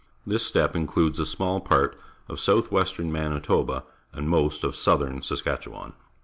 Tliis steppe includes a small part of south western Manitoba and most of south ern Saskatchewan.